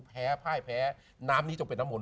แพ้ห์พ่ายห์แพ้ห์น้ำนี้จะเป็นน้ำมนต์